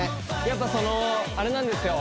やっぱそのあれなんですよ